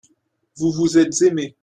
vous, vous êtes aimé.